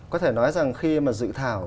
có thể nói rằng khi mà dự thảo